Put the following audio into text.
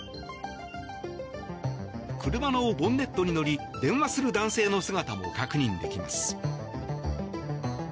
車のボンネットに乗り電話する男性の姿も確認できます。